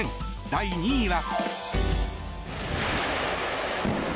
第２位は。